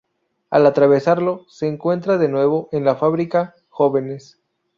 Al atravesarlo, se encuentran de nuevo en la fábrica, jóvenes.